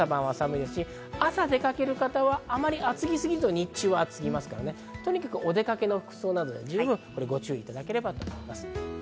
朝出かける方はあまり厚着すぎると、日中は暑すぎますからね、とにかくお出かけの服装にご注意いただければと思います。